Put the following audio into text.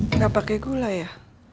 enggak pakai gula ya